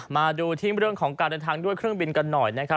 มาดูที่เรื่องของการเดินทางด้วยเครื่องบินกันหน่อยนะครับ